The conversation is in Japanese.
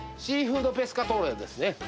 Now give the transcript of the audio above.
シーフードペスカトーレですね。